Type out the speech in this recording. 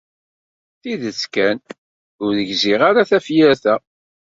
Tidet kan, ur gziɣ ara tafyirt-a.